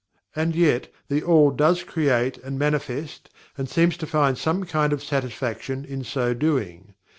And, yet, THE ALL does create and manifest, and seems to find some kind of satisfaction in so doing.